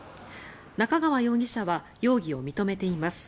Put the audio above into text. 中川容疑者は容疑を認めています。